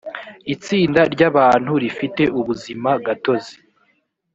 itsinda ry abantu rifite ubuzima gatozi